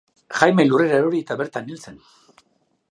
Jaime lurrera erori eta bertan hil zen.